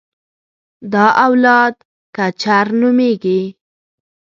دا اولاد کچر نومېږي.